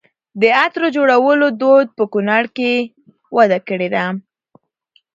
د عطرو جوړولو دود په کونړ کې وده کړې ده.